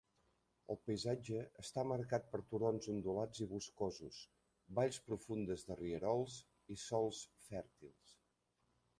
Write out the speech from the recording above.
El paisatge està marcat per turons ondulats i boscosos, valls profundes de rierols i sòls fèrtils.